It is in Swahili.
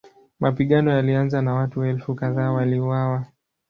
Mapigano yalianza na watu elfu kadhaa waliuawa.